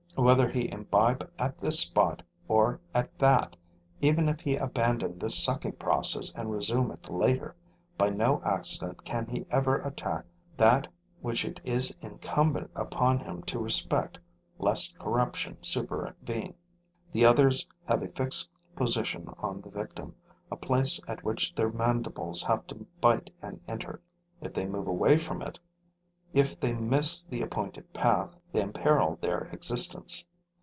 Whether he imbibe at this spot or at that, even if he abandon the sucking process and resume it later, by no accident can he ever attack that which it is incumbent upon him to respect lest corruption supervene. The others have a fixed position on the victim, a place at which their mandibles have to bite and enter. If they move away from it, if they miss the appointed path, they imperil their existence.